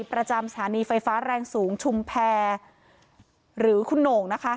ประจำสถานีไฟฟ้าแรงสูงชุมแพรหรือคุณโหน่งนะคะ